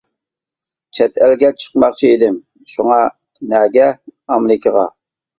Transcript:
-چەت ئەلگە چىقماقچى ئىدىم، شۇڭا. -نەگە؟ -ئامېرىكىغا.